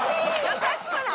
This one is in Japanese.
優しくない？